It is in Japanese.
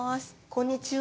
こんにちは。